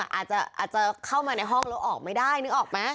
อาจจะเข้ามาในห้องแล้วออกไม่ได้นึกออกไหม